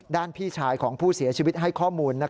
พี่ชายของผู้เสียชีวิตให้ข้อมูล